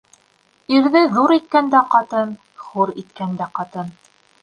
Ирҙе ҙур иткән дә ҡатын, хур иткән дә ҡатын.